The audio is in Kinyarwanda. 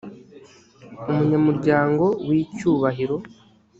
umunyamuryango w icyubahiro